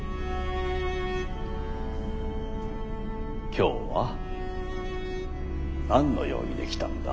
今日は何の容疑で来たんだ？